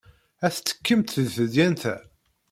Ad tettekkimt deg tedyant-a?